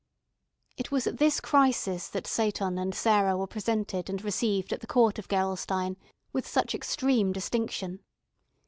It was at this crisis that Seyton and Sarah were presented and received at the court of Gerolstein with such extreme distinction.